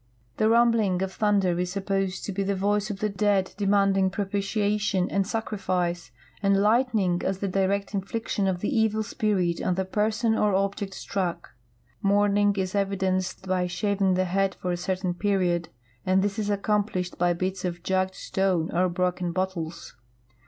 The rumbling of thunder is supposed to be the voice of the dead demanding propitiation and sacrifice, and lightning as the direct infliction of the evil spirit on the person or object struck. Mourning is evidenced by shaving the liead for a certain period, and this is accomplished h}' l)its of jagged stone or broken bottles.